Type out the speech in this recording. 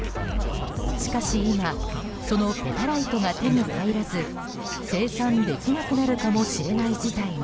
しかし、今そのペタライトが手に入らず生産できなくなるかもしれない事態に。